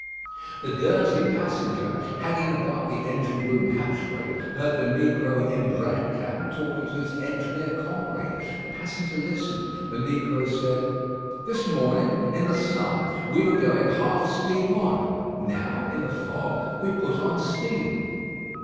The Guernsey passenger, hanging about the engine room hatchway, heard the negro Imbrancam talking to his engineer comrade. The passenger listened. The negro said: "This morning, in the sun, we were going half steam on; now, in the fog, we put on steam."